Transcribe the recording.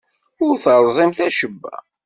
Ur terẓimt acemma.